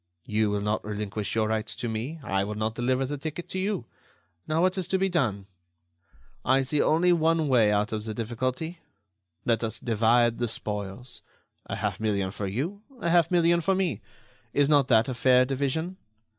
You will not relinquish your rights to me; I will not deliver the ticket to you. Now, what is to be done? "I see only one way out of the difficulty: Let us divide the spoils. A half million for you; a half million for me. Is not that a fair division?